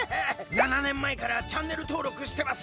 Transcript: ７年前からチャンネルとうろくしてます！